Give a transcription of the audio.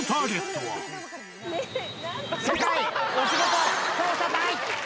世界お仕事調査隊！